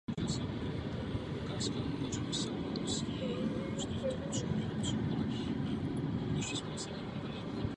Budova byla později prohlášena za národní kulturní památku.